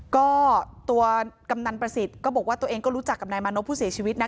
ก็ตัวกำนันประสิทธิ์ก็บอกว่าตัวเองก็รู้จักกับนายมานพผู้เสียชีวิตนะคะ